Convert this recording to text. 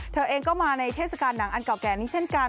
เธอเองก็มาในเทศกาลหนังอันเก่าแก่นี้เช่นกัน